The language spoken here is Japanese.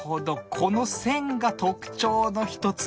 この線が特徴の一つ。